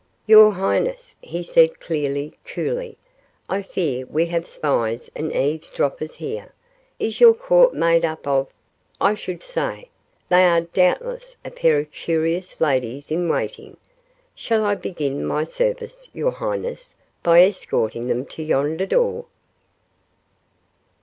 "Your highness," he said clearly, coolly, "I fear we have spies and eavesdroppers here. Is your court made up of I should say, they are doubtless a pair of curious ladies in waiting. Shall I begin my service, your highness, by escorting them to yonder door?"